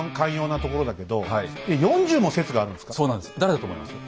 誰だと思いますか？